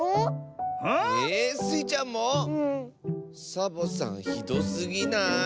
サボさんひどすぎない？